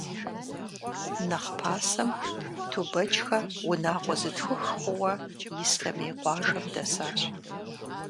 Нэхъ пасэм, Тубэчхэ унагъуэ зытхух хъууэ, Ислъэмей къуажэм дэсащ.